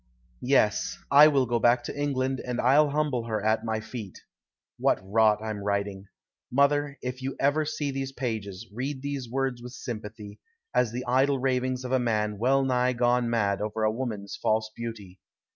Yes, I will go back to England and I'll humble her at my feet. What rot I'm writing. Mother, if you ever see these pages, read these words with sympathy, as the idle ravings of a man well nigh gone mad over a woman's false beauty.